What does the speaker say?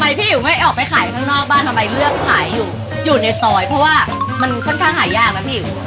บ้านทำไมเลือกขายอยู่อยู่ในซอยเพราะว่ามันค่อนข้างหายยากนะพี่อิ๋ว